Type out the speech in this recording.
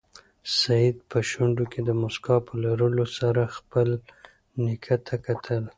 سعید په شونډو کې د موسکا په لرلو سره خپل نیکه ته کتل.